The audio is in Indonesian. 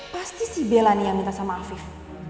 pasti sih bella nih yang minta sama afif